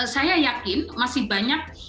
saya yakin masih banyak